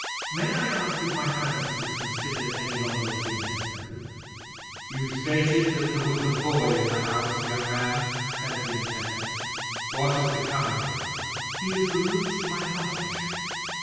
"May I ask if my presence is considered any longer to be necessary?" "You stated that there was a boy in the house, young man," said the intendant: "what has become of him?" "He is removed to my cottage."